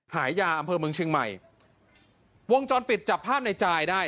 หายาอำเภอเมืองเชียงใหม่วงจรปิดจับภาพในจายได้